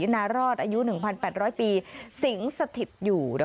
น่ารงงาน